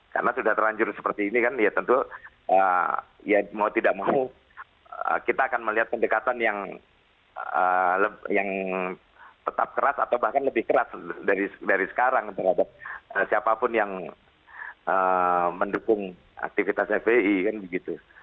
karena sudah terlanjur seperti ini kan ya tentu ya mau tidak mau kita akan melihat pendekatan yang tetap keras atau bahkan lebih keras dari sekarang terhadap siapapun yang mendukung aktivitas fpi kan begitu